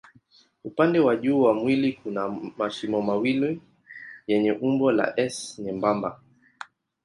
Upande wa juu wa mwili kuna mashimo mawili yenye umbo la S nyembamba.